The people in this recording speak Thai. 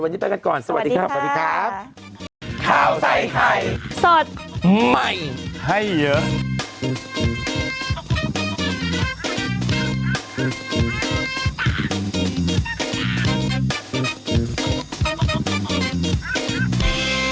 วันนี้ต้องกันก่อนสวัสดีครับสวัสดีครับสวัสดีครับ